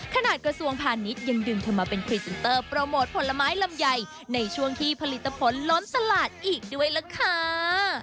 กระทรวงพาณิชย์ยังดึงเธอมาเป็นพรีเซนเตอร์โปรโมทผลไม้ลำไยในช่วงที่ผลิตผลล้นตลาดอีกด้วยล่ะค่ะ